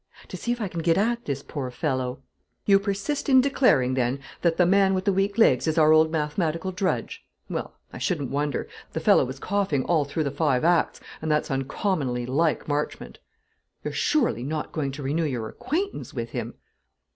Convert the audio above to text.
"To see if I can get at this poor fellow." "You persist in declaring, then, that the man with the weak legs is our old mathematical drudge? Well, I shouldn't wonder. The fellow was coughing all through the five acts, and that's uncommonly like Marchmont. You're surely not going to renew your acquaintance with him?"